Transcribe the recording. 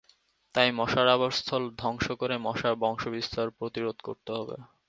তাই মশার আবাসস্থল ধ্বংস করে মশার বংশবিস্তার প্রতিরোধ করতে হবে।